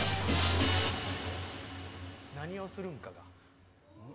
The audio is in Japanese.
何をするのかな。